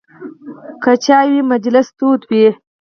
که چای وي، مجلس تود وي.